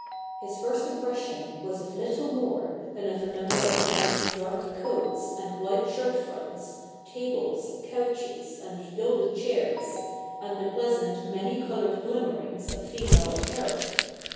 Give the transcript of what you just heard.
His first impression was of little more than of a number of men's dark coats and white shirt fronts, tables, couches, and gilded chairs, and the pleasant many coloured glimmerings of female apparel.